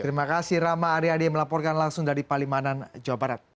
terima kasih rama aryadi melaporkan langsung dari palimanan jawa barat